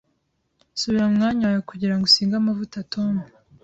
Subira mu mwanya wawe kugira ngo usige amavuta, Tom. ”